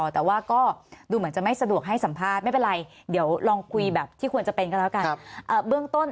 แต่ว่าก็ดูเหมือนจะไม่สะดวกให้สัมภาษณ์ไม่เป็นไรเดี๋ยวลองคุยแบบที่ควรจะเป็นก็แล้วกันเบื้องต้น